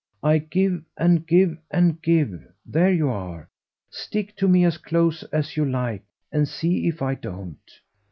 "I give and give and give there you are; stick to me as close as you like and see if I don't.